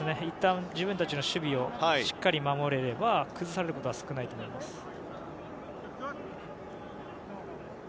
いったん、自分たちの守備をしっかり守れれば崩されることは少ないと思います。